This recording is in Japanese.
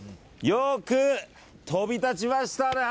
よく飛び立ちましたね。